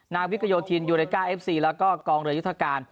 นาวิกโยธินยูเนก้าเอฟซีแล้วก็กองเรือยุทธการ